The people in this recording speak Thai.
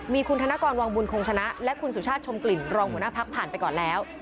มีคุณธนกรวังบุญคงชนะและคุณสุชาติชมกลิ่นรองหัวหน้าพักผ่านไปก่อนแล้ว